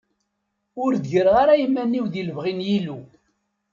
Ur d-gireɣ ara iman-iw di lebɣi n yilu.